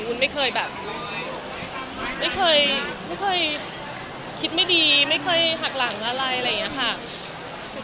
วุ้นไม่เคยแบบไม่เคยคิดไม่ดีไม่เคยหักหลังอะไรอะไรอย่างนี้ค่ะ